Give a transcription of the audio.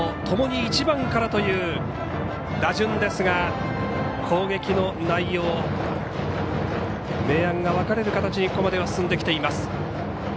ともに１番からという打順ですが攻撃の内容、明暗が分かれる形にここまでは進んできています。